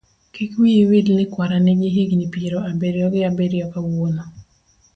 kik wiyi wil ni kwara nigi higni piero abiriyo ga biriyo kawuono.